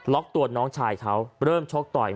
ตัวน้องชายเขาเริ่มชกต่อย